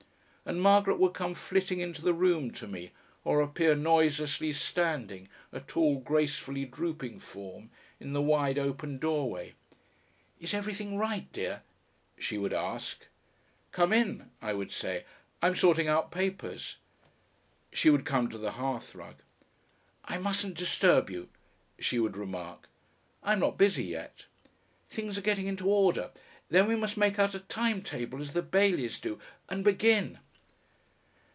And Margaret would come flitting into the room to me, or appear noiselessly standing, a tall gracefully drooping form, in the wide open doorway. "Is everything right, dear?" she would ask. "Come in," I would say, "I'm sorting out papers." She would come to the hearthrug. "I mustn't disturb you," she would remark. "I'm not busy yet." "Things are getting into order. Then we must make out a time table as the Baileys do, and BEGIN!"